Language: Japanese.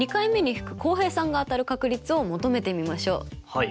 はい。